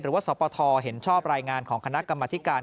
สปทเห็นชอบรายงานของคณะกรรมธิการ